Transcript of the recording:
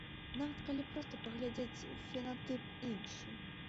Нават калі проста паглядзець, фенатып іншы.